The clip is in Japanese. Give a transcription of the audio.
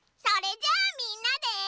それじゃあみんなで。